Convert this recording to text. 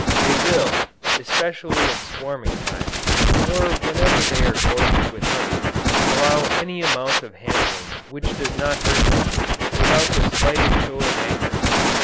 They will, especially in swarming time, or whenever they are gorged with honey, allow any amount of handling which does not hurt them, without the slightest show of anger.